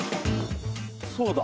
そうだ。